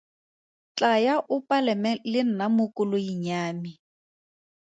Tlaya o palame le nna mo koloing ya me.